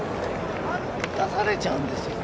出されちゃうんですよね。